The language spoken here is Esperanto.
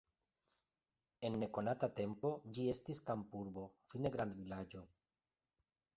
En nekonata tempo ĝi estis kampurbo, fine grandvilaĝo.